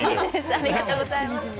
ありがとうございます。